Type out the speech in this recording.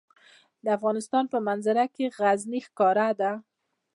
د افغانستان په منظره کې غزني ښکاره ده.